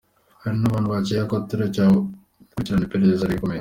Hari n’abantu bakekwa, turacyabakurikirana, iperereza rirakomeje.